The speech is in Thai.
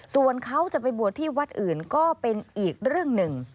ส่วนเขาจะไปบวชที่วัดอื่นก็เป็นอีกเรื่องหนึ่ง